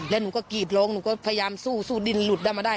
แล้วหนูก็กรีดร้องหนูก็พยายามสู้สู้ดินหลุดได้มาได้